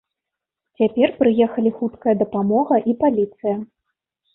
Цяпер прыехалі хуткая дапамога і паліцыя.